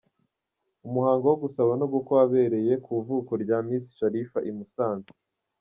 Umuhango wo gusaba no gukwa wabereye ku ivuko rya Miss Sharifa i Musanze.